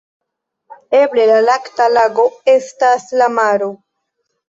Eble la "Lakta Lago" estas la maro.